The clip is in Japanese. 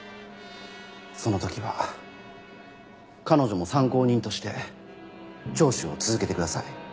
その時は彼女も参考人として聴取を続けてください。